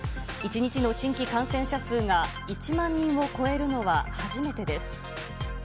１日の新規感染者数が１万人を超えるのは初めてです。